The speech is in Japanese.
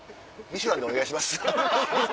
ミシュランでお願いします。